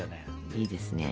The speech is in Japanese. いいですね。